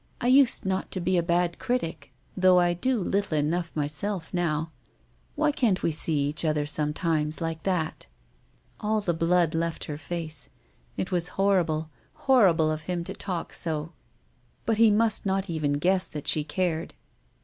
I usn't to be a bad critic, though I do little enough myself now. Why can't we see other, sometimes, like that ?" All the blood left her face. It was horri ble, horrible of him to talk so ; but he must not even guess that she cared.